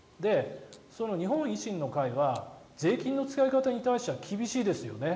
その日本維新の会は税金の使い方に関しては厳しいですよね。